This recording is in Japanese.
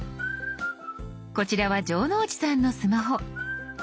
こちらは城之内さんのスマホ。